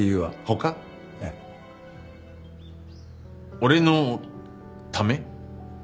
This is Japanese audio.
俺のため？